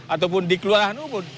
ataupun dikeluargaan ubud